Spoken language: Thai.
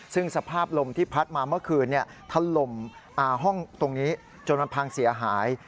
ซึ่งสภาพลมที่พัดมาเมื่อคืนถล่มห้องตรงนี้จนมันพังเสียหาย